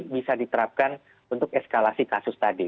bisa diterapkan untuk eskalasi kasus tadi